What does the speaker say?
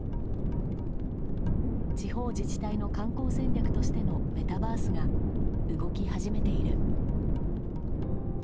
地方自治体の観光戦略としてのメタバースが動き始めている。